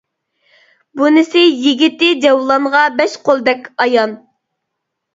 بۇنىسى يىگىتى جەۋلانغا بەش قولدەك ئايان.